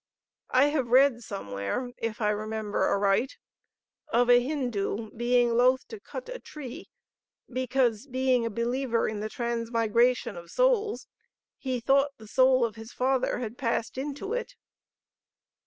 I have read somewhere, if I remember aright, of a Hindoo being loth to cut a tree because being a believer in the transmigration of souls, he thought the soul of his father had passed into it